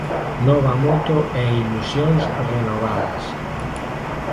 Nova moto e ilusións renovadas.